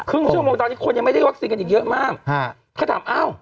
ชั่วโมงตอนนี้คนยังไม่ได้วัคซีนกันอีกเยอะมากฮะเขาถามอ้าว